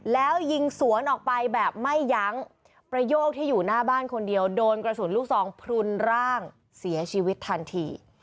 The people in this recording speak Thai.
แล้วยิงสวนออกไปแบบไม่ยั้งประโยคที่อยู่หน้าบ้านคนเดียวโดนกระสุนลูกซองพลุนร่างเสียชีวิตทันที